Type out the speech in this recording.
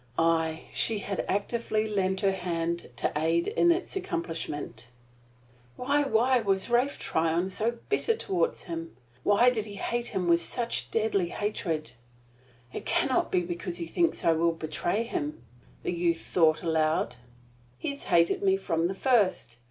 Aye, she had actively lent her hand to aid in its accomplishment. Why why was Ralph Tryon so bitter toward him? Why did he hate him with such deadly hatred? "It can not be because he thinks I will betray him," the youth thought aloud. "He has hated me from the first.